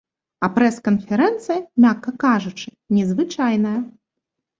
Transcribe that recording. А прэс-канферэнцыя, мякка кажучы, незвычайная.